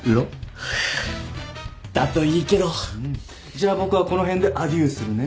じゃあ僕はこの辺でアデューするね。